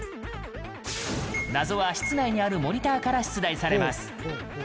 謎は室内にあるモニターから出題されます。